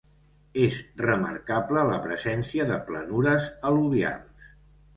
És remarcable la presència de planures al·luvials.